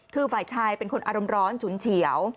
คือฝ่ายชายเป็นคนอารมณ์ร้อนฉุนเฉียว